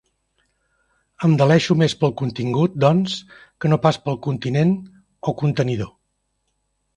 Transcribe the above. Em deleixo més pel contingut, doncs, que no pas pel continent, o contenidor.